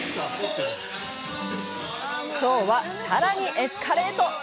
ショーは、さらにエスカレート！